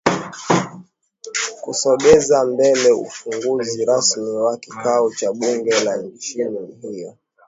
kusogeza mbele ufunguzi rasmi wa kikao cha bunge la nchi hiyo